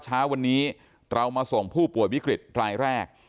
เช้าวันนี้เรามาส่งผู้ป่วยวิกฤตรายแรก